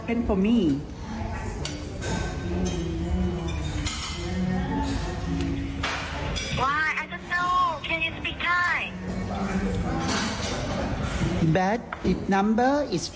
เธอพูดไง